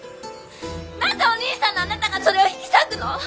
なぜお兄さんのあなたがそれを引き裂くの！？